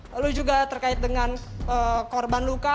lalu juga terkait dengan korban luka